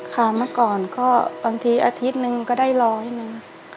เมื่อก่อนก็บางทีอาทิตย์หนึ่งก็ได้ร้อยหนึ่ง